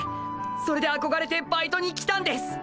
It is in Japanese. それであこがれてバイトに来たんです！